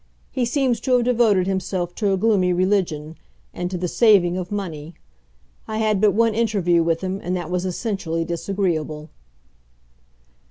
He seems to have devoted himself to a gloomy religion, and to the saving of money. I had but one interview with him, and that was essentially disagreeable."